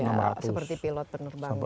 seperti pilot penerbang